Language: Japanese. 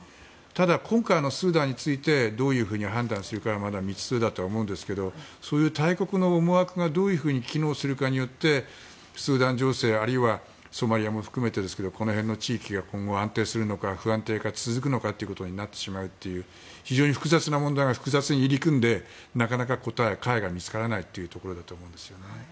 今回のスーダンについてどう判断するかはまだ未知数だとは思うんですがそういう大国の思惑がどう機能するかによってスーダン情勢あるいはソマリアも含めてこの辺の地域が今後安定するのか不安定が続くのかということになってしまうという非常に複雑な問題が複雑に入り組んでなかなか答え、解が見つからないということだと思うんですよね。